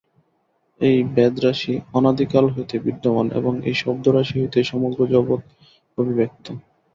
এই বেদরাশি অনাদিকাল হইতে বিদ্যমান এবং এই শব্দরাশি হইতে সমগ্র জগৎ অভিব্যক্ত।